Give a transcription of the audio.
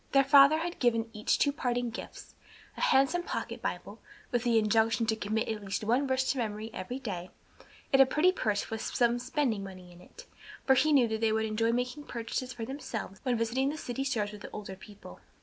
Their father had given each two parting gifts, a handsome pocket Bible, with the injunction to commit at least one verse to memory every day, and a pretty purse with some spending money in it; for he knew they would enjoy making purchases for themselves when visiting the city stores with the older people.